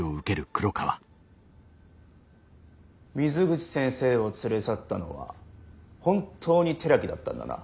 水口先生を連れ去ったのは本当に寺木だったんだな？